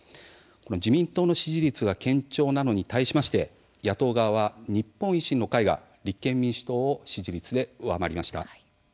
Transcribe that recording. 自民党の支持率が堅調なのに対しまして野党側は日本維新の会が立憲民主党を支持率で上回りました。